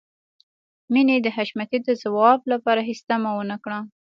مينې د حشمتي د ځواب لپاره هېڅ تمه ونه کړه.